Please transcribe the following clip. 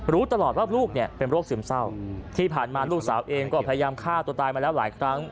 รู้ตลอดว่าลูกเนี่ยเป็นโรคซึมเศร้าที่ผ่านมาลูกสาวเองก็พยายามฆ่าตัวตายมาแล้วหลายครั้ง